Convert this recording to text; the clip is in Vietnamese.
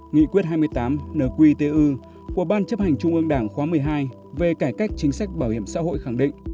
nghị quyết hai mươi tám nqtu của ban chấp hành trung ương đảng khóa một mươi hai về cải cách chính sách bảo hiểm xã hội khẳng định